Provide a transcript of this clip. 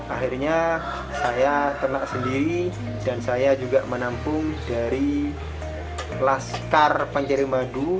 akhirnya saya ternak sendiri dan saya juga menampung dari laskar pancari madu